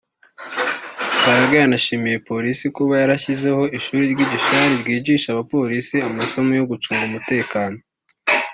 Mbaraga yanashimiye Polisi kuba yarashyizeho ishuri ry’i Gishali ryigisha abapolisi amasomo yo gucunga umutekano